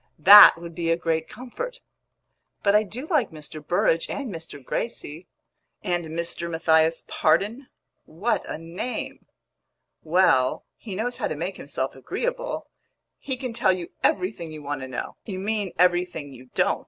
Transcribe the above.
"That would be a great comfort!" "But I do like Mr. Burrage and Mr. Gracie." "And Mr. Matthias Pardon? What a name!" "Well, he knows how to make himself agreeable. He can tell you everything you want to know." "You mean everything you don't!